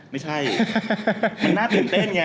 ไม่ใช่มันน่าตื่นเต้นไง